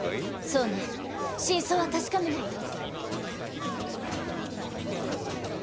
そうね真相は確かめないと。